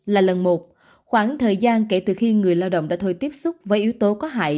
là lần một khoảng thời gian kể từ khi người lao động đã thôi tiếp xúc với yếu tố có hại